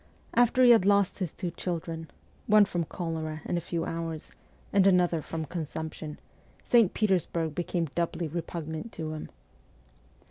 After he had lost his two children one from cholera in a few hours, and another from consumption St. Petersburg became doubly repugnant to him.